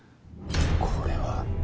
これは。